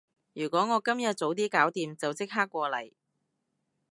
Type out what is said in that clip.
如果我今日早啲搞掂，就即刻過嚟